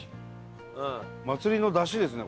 祭りの山車ですね